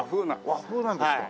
和風なんですか。